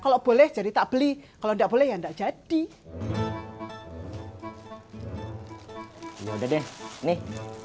kalau boleh jadi tak beli kalau gak boleh ya gak jadi ya udah deh nih